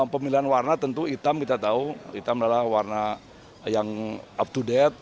pemilihan warna tentu hitam kita tahu hitam adalah warna yang up to date